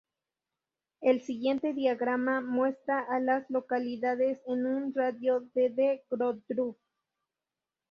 El siguiente diagrama muestra a las localidades en un radio de de Woodruff.